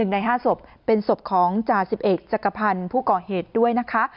ใน๕ศพเป็นศพของจ่าสิบเอกจักรพันธ์ผู้ก่อเหตุด้วยนะคะ